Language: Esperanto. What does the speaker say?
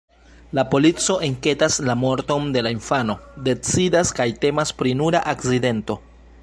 La polico enketas la morton de la infano, decidas, ke temas pri nura akcidento.